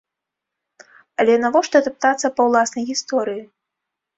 Але навошта таптацца па ўласнай гісторыі?